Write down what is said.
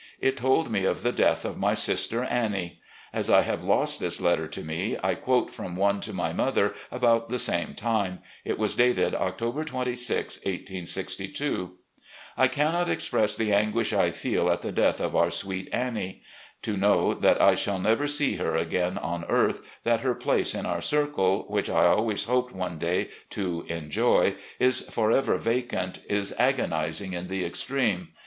It told me of the death 01 my sister Annie. As I have lost this letter to me, I quote from one to my mother about the same time. It was dated October 26, 1862: "... I cannot express the anguish I feel at the death of oiu* sweet Annie. To know that I shall never see her again on earth, that her place in our circle, which I always hoped one day to enjoy, is forever vacant, is agonising in the extreme.